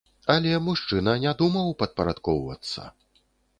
Але мужчына не думаў падпарадкоўвацца.